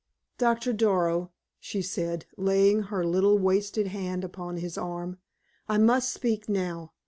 "Doctor Darrow," she said, laying her little wasted hand upon his arm, "I must speak now.